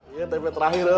iya tipe terakhir ya